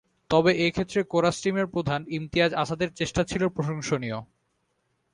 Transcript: তবে এ ক্ষেত্রে কোরাস টিমের প্রধান ইমতিয়াজ আসাদের চেষ্টা ছিল প্রশংসনীয়।